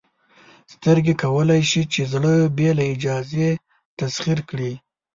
سترګې کولی شي چې زړه بې له اجازې تسخیر کړي.